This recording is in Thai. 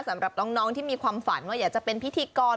สำหรับน้องที่มีความฝันว่าอยากจะเป็นพิธีกร